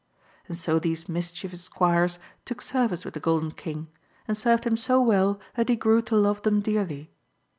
And so these mischievous squires took service with the Golden King ; and served him so well that he grew to love them dearly.